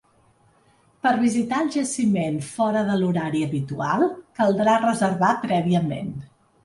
Per visitar el jaciment fora de l’horari habitual, caldrà reservar prèviament.